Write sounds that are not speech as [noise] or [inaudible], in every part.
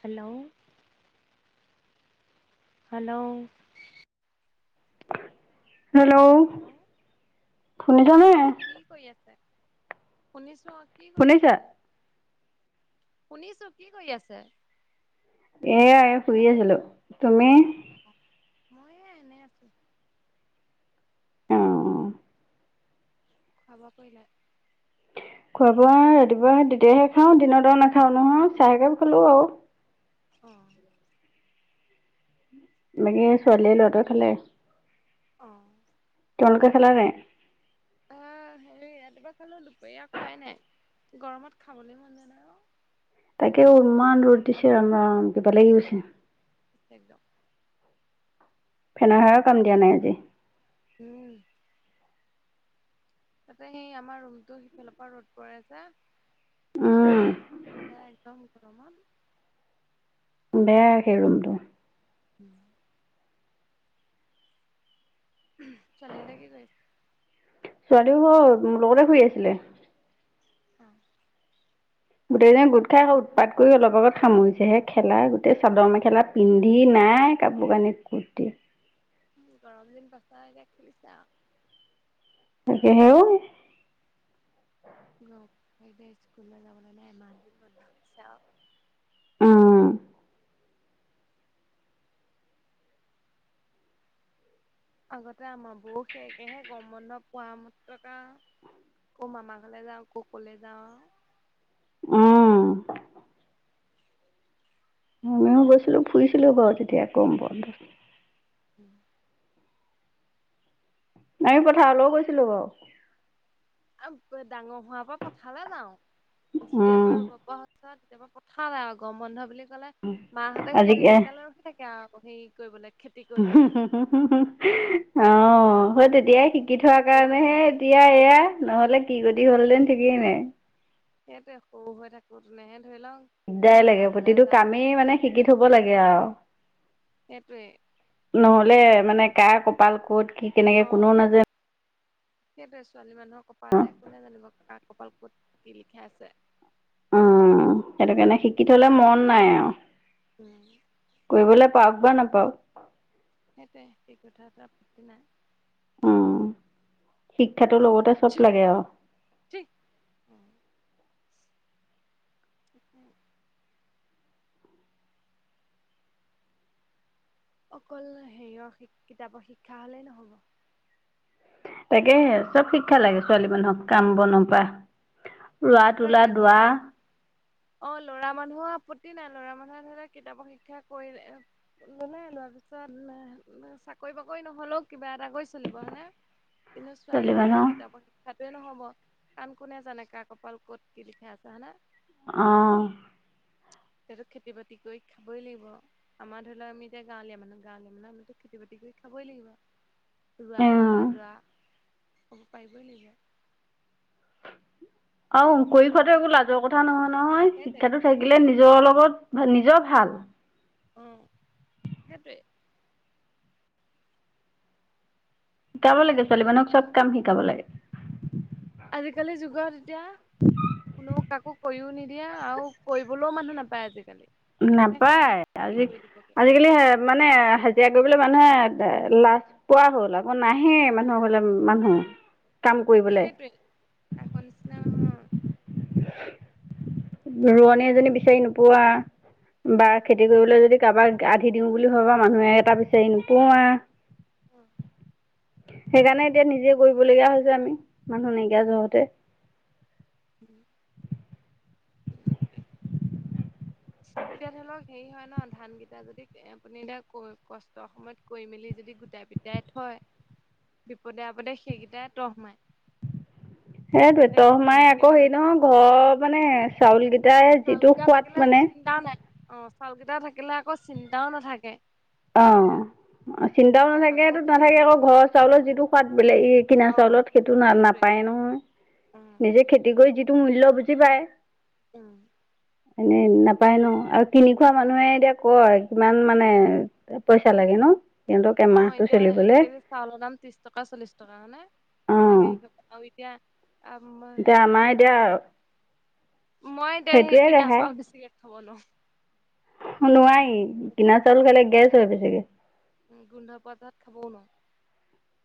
Hello hello hello শুনিছানে? আহ কি কৰি আছে? শুনিছে? কি কৰি শুনিছা? আছে? শুনিছো, কি কৰি আছে? এয়া ফুৰি আছিলো। তুমি? মইয়ে এনে আছো। খোৱা বোৱা কৰিলা? খোৱা বোৱা ৰাতিপুৱা তেতিয়াহে খাওঁ দিনৰ দ নাখাওঁ নহয় চাহকে খালো আৰু। অঁ বাকী ছোৱালীয়ে লৰাটোয়ে খালে আহ তোমালোকে খালা নাই? হে ৰাতিপোৱা খালো দুপৰীয়া খোৱাই নাই গৰমত খাবলৈ মন যোৱা নাই অ তাকে ইমান ৰ'দ দিছে ৰাম ৰাম কিবা লাগি গৈছে একদম ফেনৰ হাৱা কাম দিয়া নাই আজি উম তাতে সেই আমাৰ ৰুমটো সিফালৰ পৰা ৰ'দ উম পৰে যে গৰমত বেয়া সেই ৰূমটো উম ছোৱালী হতে কি কৰি আছে? ছোৱালীও মোৰ লগতে শুই আছিলে আ গোটেইজনী গোট খাই উৎপাত কৰি অলপ আগত সামৰিছেহে খেলা গোটেই চাদৰ মেখেলা পিন্ধি নাই হে কাপোৰ কানিৰ কুৰ্তি উ গৰম দিন পাছা এতিয়া খেলিছে আও তাকে সেও গ যে স্কুললৈ যাবলৈ নাই এমাহ দিন বন্ধ দিছে আও উম আগতে আমাৰ বৌ হে একেই হে গৰম বন্ধ পোৱা মাত্ৰকৈ অ মামা ঘৰলে যাওঁ ককলে যাওঁ উম আমিও গৈছিলো ফুৰিছিলো বাৰু তেতিয়া গৰম বন্ধত [inaudible] আমি পথাৰলৈও গৈছিলো বাৰু আৰু ডাঙৰ হোৱাৰ পৰা পথালে যাও উম যেতিয়াৰ ৰুব পৰা পথালে গৰম বন্ধ বুলি কলে মাহঁতে আজি সেই দিনকেইটালৈ ৰখি থাকে আৰু হেৰি কৰিবলৈ অ অ হয় সৰু তেতিয়াই শিকি সৰুতে থোৱা সৰু হৈ কাৰণেহে থাকোতে এতিয়া এয়া নহলে কি যদি হলহতেন ঠিকেই নাই সেইটোৱেই সৰু হৈ থাকো তেনে হে দিগদাৰ লাগে প্ৰতিটো কামেই মানে মাহী ঘৰলে শিকি থব যাওঁ লাগে আৰু সেইটোৱে নহলে মানে কাৰ কপাল ক'ত কি কেনেকে অ কোনেও নাজান সেইটোৱে ছোৱালী মানুহৰ কপাল হে কোনে জানিব কা কপাল কত কি লিখা আছে উম সেইটো কাৰণে শিকি থলে মৰন নাই আৰু উম কৰিবলৈ পাওক বা নাপাওক সেইটোৱেই শিকি থোৱাত তহ আঁপতি নাই উম শিকি শিক্ষাটোৰ লওতে চব লাগে আৰু- [unintelligible] অকল হেৰিয়ৰ কিতাপৰ শিক্ষা হলেই নহব- তাকে চব শিক্ষাত শিক্ষা লাগে ছোৱালী মানুহক কাম বন পা সঁচাকে লৰা অ লৰা মানুহৰ আপত্তি নাই ল'ৰা মানুহে কিতাপক শিক্ষা কৰি ললে লোৱাৰ পিছত চাকৰি- চাকৰি বাকৰি নহ'লেও কিবা এটা কৰি চলিব হয় নে কিন্তু ছোৱালী মানুহৰ কিতাপৰ শিক্ষাটোৱে নহব কাৰণ কোনে জানে। কাক কপাল কত কি লিখে আছে হয়। নে অ খেতি বাতি কৰি খাবই লাগিব আমাৰ ধৰি লও আমি এতিয়া গাঁৱলীয়া মানুহ গাঁৱলীয়া মানুহ আমিতো খেতি বাতি। খাবই লাগিব ৰোৱা উম। কটা দোৱা ক'ব পাৰিবই লাগিব। আহ কৰি খোৱাটো একো লাজৰ কথা নহয় নহয় সেইটোৱে শিক্ষাটো থাকিলে নিজৰ লগত নিজৰ ভাল উম সেইটোৱে। শিকাব লাগে ছোৱালী আজিকালি মানুহক যুগত চব কাম শিকাব লাগে আজিকালিৰ যুগত এতিয়া কোনো কাকো। কৰিও নিদিয়া আৰু কৰিবলৈও মানুহ নাপায় আজিকালি- কোনে কাৰ নাপায় ঘৰত কি আজি কৰি দিবগে আজিকালি মানে হাজিৰা কৰি। বোলে মানুহে লাজ পোৱা হ'ল আকৌ নাহেই মানুহৰ বোলে মানুহে- সেইটোৱে আকৌ নিচিনা নহয় ৰোৱনী এজনী বিচাৰি নোপোৱা বা খেতি কৰিবলৈ যদি। কাৰোবাক আধি দিওঁ বুলি ভাববা মানুহে এটা বিচাৰি নোপোৱা। উম সেইকাৰণে এতিয়া নিজে কৰিবলগীয়া হৈছে আমি মানুহ নাইকিয়া জহতে- [unintelligible] এতিয়া ধৰি লওক হেৰি হয় ন ধানকেইটা যদি এ আপুনি এতিয়া কষ্ট সময়ত কৰি মেলি যদি গোটাই গোটেই থয় বিপদে আপদে সেইকেইটাই তহ সোমাই সেইটোৱে তহমাই আকৌ হেৰি নহয় ঘৰ মানে চাউল কেই চাউলকেইটা, থাকিলে চিন্তাও নাই অ চাউল কেইটা থাকিলে আকৌ চিন্তাও নাথাকে। অ চিন্তাও আকৌ নাথাকে আকৌ একো হেৰি নাথাকে নহয় আকৌ ঘৰৰ চাউলৰ যিটো সোৱাদ বেলেগ ই কিনা অ চাউলত সেইটো না সেইটোৱে নাপায় নহয় উম নিজে খেতি কৰি যিটো মূল্য বুজি পায়। উম- এনে নাপায় ন আৰু কিনি খোৱা মানুহে এতিয়া কয় কিমান মানে- পইচা লাগে ন সিহঁতক অ এমাহটো এতিয়া এক চলিবলে কেজি চাউৰ দাম ত্ৰিশ টকা চল্লিশ টকা হয় নে অ এনেকে- এতিয়া আম এতিয়া সেই আমাৰ সেইটো কি এতিয়া কয়। মই দে সেই সেইটোৱে কিনা চাল বেছিকে খাব নোৱাওং- নোৱ কিনা চাউল খালে গেছ হয় বেছিকে- গোন্ধ পোৱা তাত খাবও ন-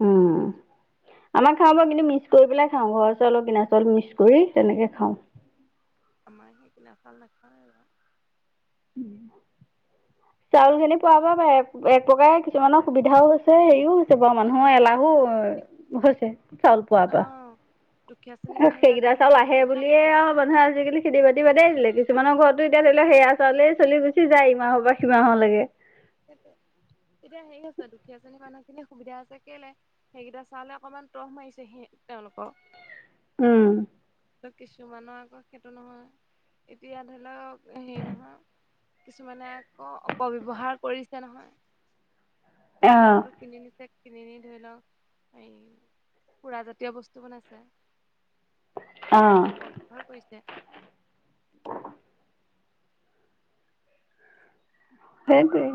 উম [inaudible] আমাৰ খাওঁ ব কিন্তু মিক্স কৰি পেলাই খাওঁ ঘৰৰ চাউলৰ কিনা চাউল মিক্স কৰি তেনেকে খাওঁ। আমাৰ সেই কিনা চাউল নাখাওঁ- উম। চাউল খিনি পোৱাব পাৰে এক প্ৰকাৰে কিছুমানৰ সুবিধাও হৈছে হেৰিও হৈছে। পা অ মানুহৰ দুখীয়া এলাহো শ্ৰেণী হৈছে চাউল পোৱা অ পা- দুখীয়া শ্ৰেণীৰ মানুহ বিলাকৰ সেইকেইটা ধৰি চাউল লওক আহে সুবিধা বুলিয়ে হৈছে আৰু মানুহে আজিকালি খেতি বাতি বাদেই দিলে গে- কিছুমানৰ ঘৰতো এতিয়া ধৰি লওক সেয়া চাউলেই চলি গুচি যায় ইমাহৰ পৰা সিমাহৰলৈকে সেইটো তেতিয়া সেৰি হৈছে দুখীয়া শ্ৰেণীৰ মানুহখিনি সুবিধা হৈছে কেলে সেইকেইটা চাউললে অকনমান তহ মাৰিছে স তেওঁলোক উম। কিছুমানৰ আকৌ সেইটো নহয় এতিয়া ধৰি লওক হেৰি নহয় কিছুমানে আকৌ অপব্যৱহাৰ কৰিছে নহয়। অঁ চাউলটো কিনি নিছে কিনি নি ধৰি লওক এই সুৰাজাতীয় বস্তু বনাইছে। অঁ অপব্যৱহাৰ কৰিছে। সেইটোৱেই।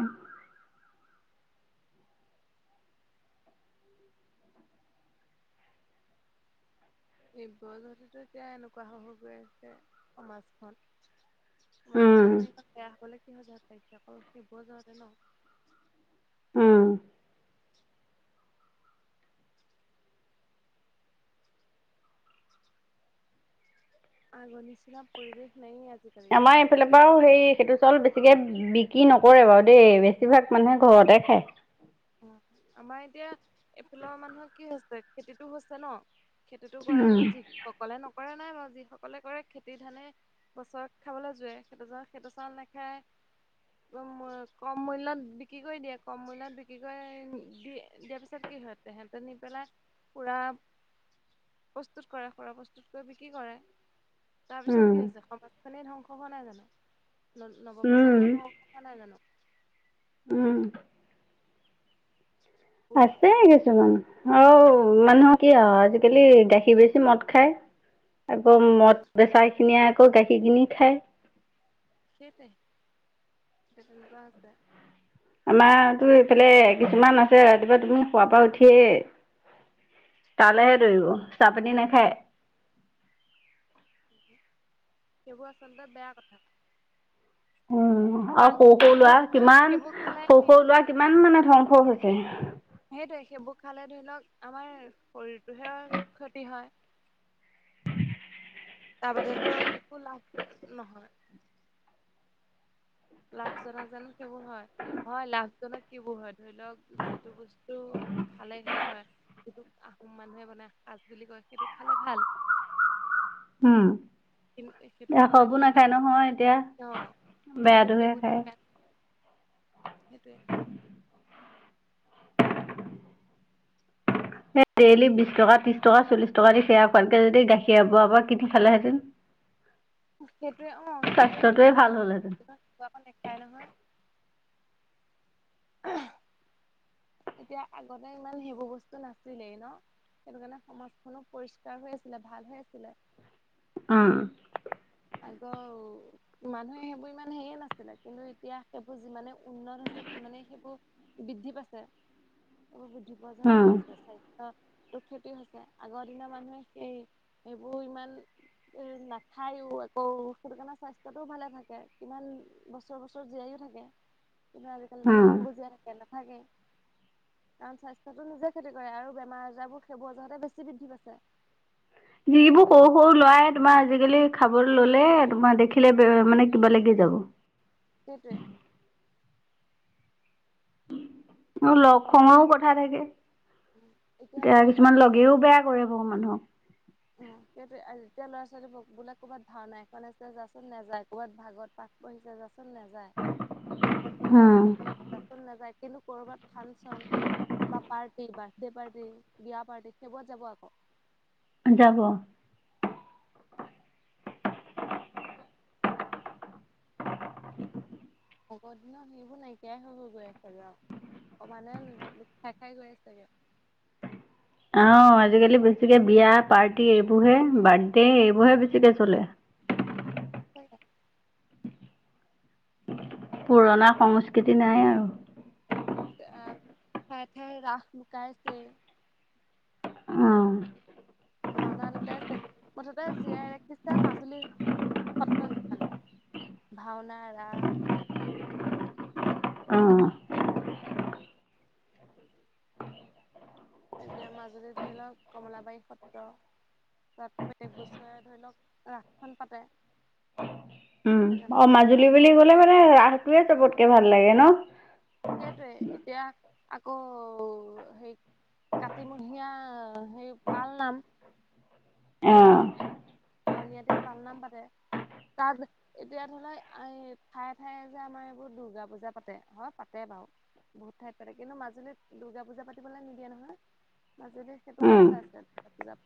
এইবোৰৰ পৰাই জতিটো এতিয়া এনেকুৱা হৈ গৈ আছে সমাজখন। উম মাছখন ন বেয়া হবলে কিহ য পাইছে আকৌ সেইবোৰৰ যাওঁতে ন। উম্ আগৰ নিচিনা পৰিৱেশ নাই আজি আমাৰ এইফালৰ পৰাও সেই সেইটো চাউল বেছিকে বিক্ৰী নকৰে বাৰু দেই বেছিভাগ মানুহে ঘৰতে খায়। আমাৰ এতিয়া এইফালৰ মানুহৰ কি হৈছে খেতিতটো হৈছে ন? খেতিতো কৰা যা উম যি সকলে নকৰে নাই বাৰু যি সকলে কৰে খেতি ধানে বছৰত খাবলৈ যোৱে স সেইটো চাউল নাখায়। ম কম মূল্য বিক্ৰী কৰি দিয়ে কম মূল্যত বি কি কয় দি দিয়াৰ পিছত কি হয় তে সেহত নি পেলাই পুৰা প্ৰস্তুত কৰে সুৰা প্ৰস্তুত কৰি বিক্ৰী কৰে। তাৰপিছত উম কি হৈছে সমাজ খনেই ধ্বংস হোৱা নাই জানো? ন উম নৱপ্ৰজন্ম ধ্বংস হোৱা নাই জানো? উম। কোন আছে কিছুমান। আহ মানুহৰ কি আও আজিকালি গাখীৰ বেছি মদ খায়। আকৌ উম মদ বেচা খিনিয়ে আকৌ গাখীৰ কিনি খাই। সেইটোৱে সেই তেনেকুৱা আছে। আমাৰতো ইফালে কিছুমান আছে ৰাতিপুৱা তুমি শুৱাৰ পৰা উঠিয়েই তালৈহে দৌৰিব চাহ পানী নেখায়। সেইবোৰ আচলতে বেয়া কথা। অ। উ আৰু কাৰণ সৰু সৰু সেইবোৰ লৰা কিমান সেইবোৰ খালে সৰু হেৰি সৰু লৰা কিমান মানে ধ্বংস হৈছে। সেইটোয়ে সেইবোৰ খালে ধৰি লওক আমাৰ শৰীৰটোহে ক্ষতি হয়। তাৰ বাদতো একো লাভ নহয়। লাভজনক জানো সেইবোৰ হয়? হয় লাভজনক সেইবোৰ হয়, ধৰি লওক যিটো বস্তু খালে হেৰি হয় সেইটোক আহোম মানুহে বানাই সাঁচ বুলি কয়। সেইটো খালে ভাল। উম। ন্ত সেইটো এতিয়া খালে সৰবোৰ ধৰি নাখায় নহয় এতিয়া লওক আহ কিন্তু বেয়াটোহে সেইবোৰ খায়। [unintelligible] সেইটোৱে। ডেইলি বিশ টকা ত্ৰিশ টকা চল্লিশ টকা দি সেয়ালকে যদি গাখীৰ হব এপোৱাকে কিনি খালেহেঁন। [inaudible] সেইটোৱে অ স্বাস্থ্যটোৱে সেইটোৱে ভাল হেৰি হ'লহেঁতেন। সেইটো আক নেখাই নহয়। [unintelligible] এতিয়া আগতে ইমান সেইবোৰ বস্তু নাছিলেই ন? সেইটো কাৰণে সমাজখনো পৰিষ্কাৰ হৈ আছিলে ভাল হৈ আছিলে। উম। আকৌ মানুহে সেইবোৰ ইমান হেয়ে নাছিলে কিন্তু এতিয়া সেইবোৰ যিমানে উন্নত আছে। মানে সেইবোৰ বৃদ্ধি পাইছে সেইবোৰ বৃদ্ধি পোৱা যত উম কি হৈছে স্বাস্থ্য তটো ক্ষতি হৈছে আগৰ দিনা মানুহে সেই সেইবোৰ ইমান নাখায়ও। অ সেইটো কাৰণে স্বাস্থ্যটোও ভালে থাকে কিমান বছৰ বছৰ জীয়াইও থাকে কিন্তু আজিকালি জানো উম। মানুহ বহুত জিয়াই থাকে নাথাকে, কাৰণ স্বাস্থ্যটো নিজে ক্ষতি কৰে আৰু বেমাৰ আজাৰবোৰ সেইবোৰজওঁতে বেছি বৃদ্ধি পাইছে। যিবোৰ সৰু সৰু লৰাই তোমাৰ আজিকালি খাব ললে তোমাৰ দেখিলে মানে, কিবা লাগি যাব সেইটোৱে মোৰ লগ সংগ কথা থাকে। এতিয়া এতিয়া ল'ৰা কিছুমান ছোৱালী কক লগেও বেয়া কৰিব মানুহক উম সেই এতিয়া ল'ৰা ছোৱালী বোলে ক'ৰবাত ভাওনা এখন আ যাচোন নাযায় ক'ৰবাত ভাগত প বহি য যাচোন নেযায় ক'ৰবাত বোলে ৰাস উম এখনত‌ জাচোন নাযায়, কিন্তু ক'ৰবাত ফানচন বা পাৰ্টি বাৰ্থডে পাৰ্টি বিয়া পাৰ্টি সেইবোৰত যাব আকৌ যাব [inaudible] আগৰ দিনৰ সেইবোৰ নাইকিয়াই হৈ গ গৈ আছ যা অ মানে ল খাই খাই গৈ আছেগে আহ আজিকালি বেছিকে বিয়া পাৰ্টি এইবোৰহে বাৰ্থডে এইবোৰে বেছিকে চলে হয় হয় পুৰণা সংস্কৃতি নাই আৰু আহ খ থে ৰাখ নকাইছে [unintelligible] অ ভাওনা লুকাইছে মুঠতে জীয়াই ৰাখিছে মাজুলী সত্ৰকেইখনে ভাওনা ৰাস অ এতিয়া মাজুলীত ধৰি লওক কমলাবাৰী সত্ৰ তাত প্ৰতয়েক বছৰে ধৰি লওক ৰাসখন পাতে উম সেইকাৰণে অ বা মাজুলী বুলি ভাওনা কলে মানে সমাৰোহ ৰাসটোৱে চবতকে ভাল লাগে ন সেইটোৱে এতিয়া আকৌ হেই কাতিমহীয়া সেই পাল নাম আহ আউনীআটিত পাল নাম পাতে তাত এতিয়া ধ লও এই ঠায়ে ঠায়ে যে আমাৰ এইবোৰ দুূৰ্গা পূজা পাতে হয় পাতে বাৰু বহুত ঠাইত পাতে কিন্তু মাজুলীত দুূৰ্গা পূজা পাতিবলৈ নিদিয়ে নহয় মাজুলী সেইটো উম বন্ধ আছে পূজা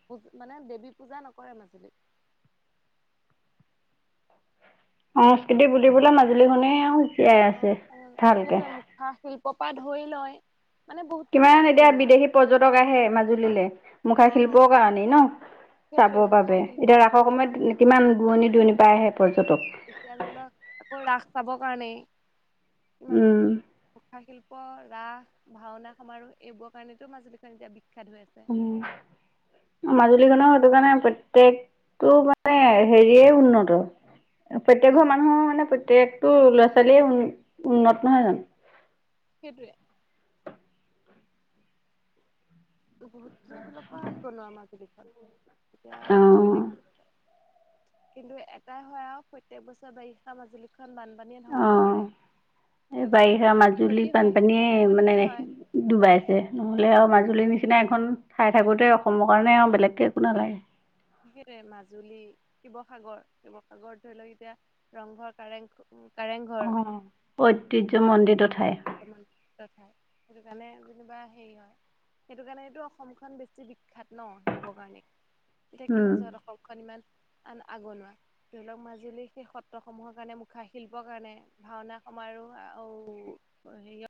মানে দেৱী পূজা নকৰে মাজুলীত। সংস্কৃতি বুলিবলে মাজুলীখনেই আও জিয়াই আছে ভালকে। কপা ধৰি লয় মানে বহুত খিনি কিমান এতিয়া আগনোৱা বিদেশী পৰ্যটক আহে মাজুলীলৈ মুখা অ শিল্পৰ কাৰণেই ন চাব সেইটোৱে মুখা বাবে শিল্প এতিয়া ৰাসৰ চাবৰ কাৰণে সময়ত কিমান দূুৰণি দুৰণি পাই আহে পৰ্যটক এতিয়া ধৰি লওক ৰাস চাবলৈ কাৰণেই, কিমান উম, আহে কা শিল্প ৰাস, ভাওনা, সমাৰোহ এইবোৰৰ কাৰণেতো মাজুলীখন এতিয়া বিখ্যাত। হৈ আছে উম মাজুলীখন সটো কাৰণে প্ৰত্য়েকটো মানে হেৰিয়ে উন্নত প্ৰত্যয়েক ঘৰ উম, মানুহৰ মানে প্ৰত্যয়েকটো ল'ৰা ছোৱালীয়ে উ উন্নত নহয় জানো? সেইটোৱে বহুতখিনিৰ ফালৰ পৰা আগবনোৱা মাজুলীখন এতিয়া হে অঁ কৰিলে কি কিন্তু এটাই হয় আৰু প্ৰত্যয়েক বছৰে বাৰিষা মাজুলী খন বানপানীয়ে ধ্বংস অঁ কৰে এই সেইটো কাৰণে বাৰিষা অকণমান মাজুলী ক্ষতি হয় সেইটো কাৰণে বানপানীয়ে অকণমান হেৰি মানে হয় ডুবাই আছে নহলে আৰু মাজুলী নিচিনা সিনা এখন ঠাই থাকোতে অসমৰ কাৰণে আৰু বেলেগকে একো নালাগে সেই মাজুলী শিৱসাগৰ শিৱসাগৰত ধৰি লওক এতিয়া ৰংঘৰ কাৰেং কাৰেংঘৰ অ ঐতিহ্যৰ মন্দিৰটো ঠাই তাই সেইটো কাৰণে যেনিবা হেৰি হয় [unintelligible] সেইটো কাৰণেতটো অসমখন বেছি বিখ্যাত ন সেইবোৰ কাৰণে এতিয়া উম, কিহৰ যত অসমখন ইমান আন আগনোৱা ধৰি লওক মাজুলী সেই সত্ৰ সমূহৰ কাৰণে মুখা শিল্পৰ কাৰণে ভাওনা মাৰো ও